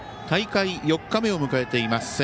大会４日目を迎えています